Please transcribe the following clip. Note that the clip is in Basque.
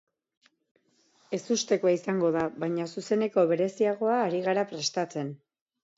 Ezustekoa izango da, baina zuzeneko bereziagoa ari gara prestatzen.